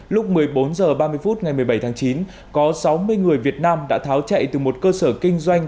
lúc một mươi bốn h ba mươi phút ngày một mươi bảy tháng chín có sáu mươi người việt nam đã tháo chạy từ một cơ sở kinh doanh